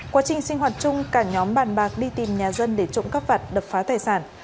quá trình sinh hoạt chung cả nhóm bàn bạc đi tìm nhà dân để trộm cắp vặt đập phá tài sản